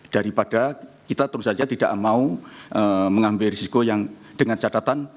daripada kita terus saja tidak mau mengambil risiko yang dengan catatan